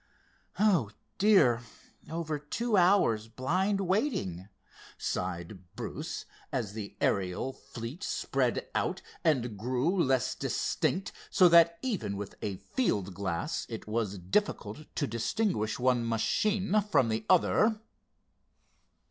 "Oh, dear! over two hours' blind waiting," sighed Bruce, as the aerial fleet spread out, and grew less distinct, so that, even with a field glass, it was difficult to distinguish one machine from another.